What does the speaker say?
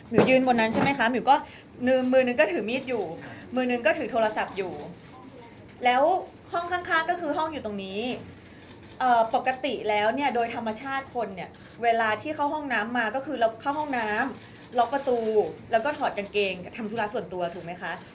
ยืนบนนั้นใช่ไหมคะมิวก็มือนึงก็ถือมีดอยู่มือนึงก็ถือโทรศัพท์อยู่แล้วห้องข้างก็คือห้องอยู่ตรงนี้ปกติแล้วเนี่ยโดยธรรมชาติคนเนี่ยเวลาที่เข้าห้องน้ำมาก็คือเราเข้าห้องน้ำล็อกประตูแล้วก็ถอดกางเกงทำธุระส่วนตัวถูกไหมคะ